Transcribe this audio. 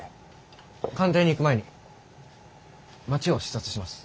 官邸に行く前に街を視察します。